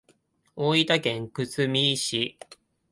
大分県津久見市